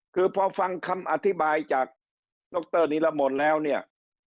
คือพอฟังคำอธิบายจากดรนิรมนต์แล้วเนี่ย